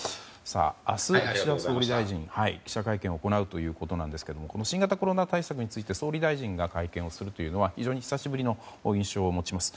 明日、岸田総理記者会見を行うということですがこの新型コロナ対策について総理大臣が会見をするというのは非常に久しぶりという印象です。